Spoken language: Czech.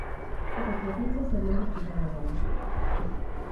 Tato směrnice se dlouho připravovala.